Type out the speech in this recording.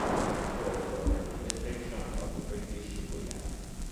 Fu autore di "Description of British Guiana".